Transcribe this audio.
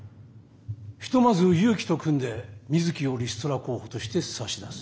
ひとまず祐樹と組んで水木をリストラ候補として差し出す。